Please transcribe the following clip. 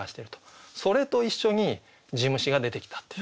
それと一緒に地虫が出てきたっていう。